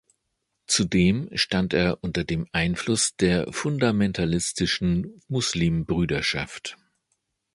Zudem stand er unter dem Einfluss der fundamentalistischen Muslimbruderschaft.